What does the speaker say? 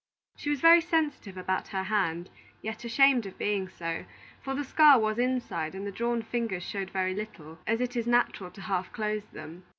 She was very sensitive about her hand, yet ashamed of being so; for the scar was inside and the drawn fingers showed very little, as it is natural to half close them.